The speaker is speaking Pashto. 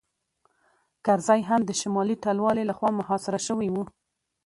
کرزی هم د شمالي ټلوالې لخوا محاصره شوی و